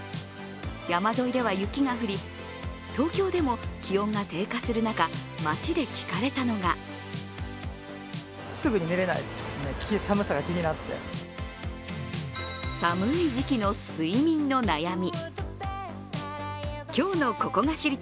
山沿いでは雪が降り、東京でも気温が低下する中、街で聞かれたのが寒い時期の睡眠の悩み。